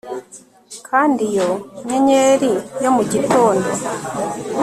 Kandi iyo nyenyeri yo mu gitondo